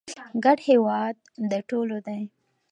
ګډ هېواد د ټولو دی.